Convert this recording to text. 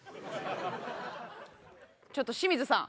ちょっと清水さん。